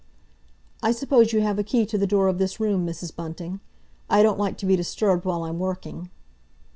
"I suppose you have a key to the door of this room, Mrs. Bunting? I don't like to be disturbed while I'm working."